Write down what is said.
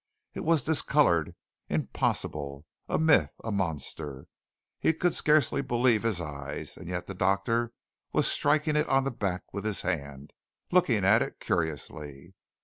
It was discolored, impossible, a myth, a monster. He could scarcely believe his eyes, and yet the doctor was striking it on the back with his hand, looking at it curiously.